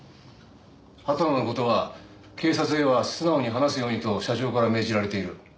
畑野の事は警察には素直に話すようにと社長から命じられている。